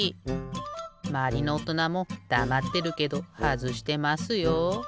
まわりのおとなもだまってるけどはずしてますよ。